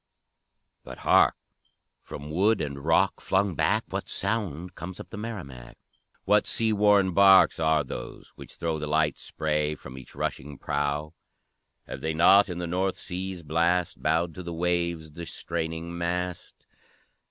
But hark! from wood and rock flung back, What sound comes up the Merrimac? What sea worn barks are those which throw The light spray from each rushing prow? Have they not in the North Sea's blast Bowed to the waves the straining mast?